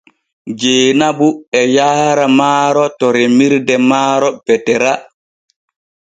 Jeenabu e yaara maaro to remirde maaro Betera.